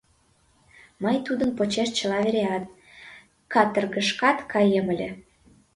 — Мый тудын почеш чыла вереат, каторгышкат каем ыле.